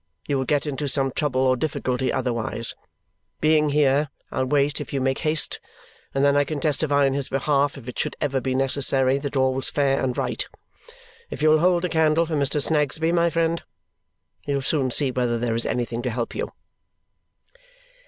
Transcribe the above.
He will get into some trouble or difficulty otherwise. Being here, I'll wait if you make haste, and then I can testify on his behalf, if it should ever be necessary, that all was fair and right. If you will hold the candle for Mr. Snagsby, my friend, he'll soon see whether there is anything to help you."